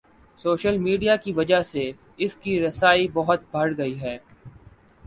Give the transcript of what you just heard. Social media کی وجہ سے اس کی رسائی بہت بڑھ گئی ہے۔